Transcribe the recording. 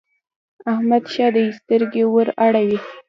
احمد ښه دی؛ سترګې ور اوړي.